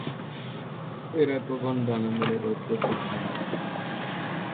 এরা কখন ডানা মেলে রৌদ্র পোহায় না।